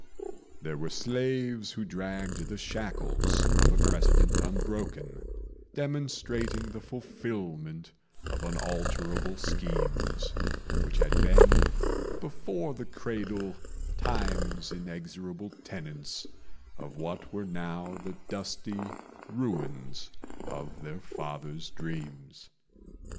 There were slaves who dragged the shackles of a precedent unbroken, Demonstrating the fulfilment of unalterable schemes, Which had been, before the cradle, Time's inexorable tenants Of what were now the dusty ruins of their father's dreams.